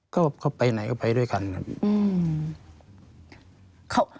ก็เขาไปไหนก็ไปด้วยกันครับ